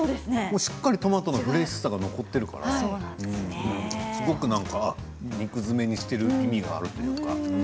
しっかりトマトのフレッシュさが残っているからすごく、なんか肉詰めにしている意味が、ある感じ。